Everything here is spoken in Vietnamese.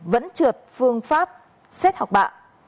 vẫn trượt phương pháp xét học bạ